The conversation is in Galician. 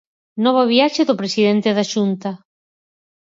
Nova viaxe do presidente da Xunta.